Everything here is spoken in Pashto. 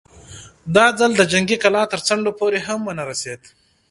دا ځل د جنګي کلا تر څنډو پورې هم ونه رسېد.